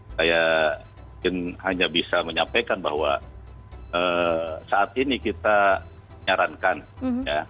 saya mungkin hanya bisa menyampaikan bahwa saat ini kita menyarankan ya